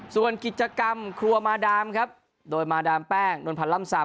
ส่วนกิจกรรมครัวมาดามครับโดยมาดามแป้งนวลพันธ์ล่ำซาม